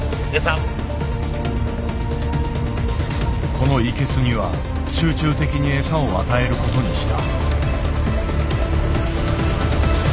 このイケスには集中的に餌を与えることにした。